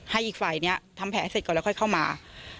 ให้อีกฝ่ายนี้ทำแผลเสร็จก่อนแล้วค่อยเข้ามา